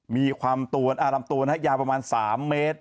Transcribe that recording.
มีความตัวน่ะนำตัวน่ะยาวประมาณสามเมตร